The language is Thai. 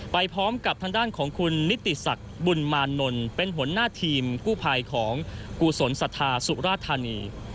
ไปพร้อมกับทางด้านของคุณนิติศักดิ์บุญมานนท์เป็นหัวหน้าทีมกู้ภัยของกุศลศรัทธาสุราธานี